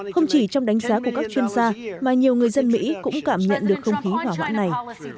không chỉ trong đánh giá của các chuyên gia mà nhiều người dân mỹ cũng cảm nhận được không khí hỏa hoãn này